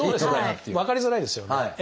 分かりづらいですよね。